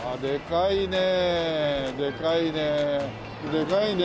でかいね。